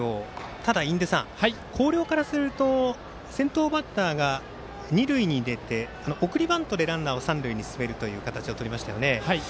ただ広陵からすると先頭バッターが二塁に出て送りバントでランナーを三塁に進めるという形をとりました。